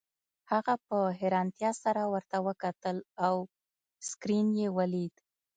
هغه په حیرانتیا سره ورته وکتل او سکرین یې ولید